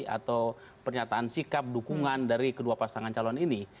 atau pernyataan sikap dukungan dari kedua pasangan calon ini